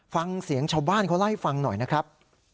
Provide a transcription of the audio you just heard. ฟังเสียงชาวบ้านเขาเล่าให้ฟังหน่อยนะครับ